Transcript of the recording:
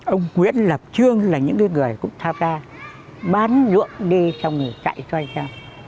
ông nguyễn lập trương là những người cũng thao gia bán ruộng đi xong rồi chạy xoay xa